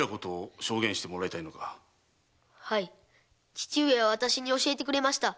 父上は私に教えてくれました。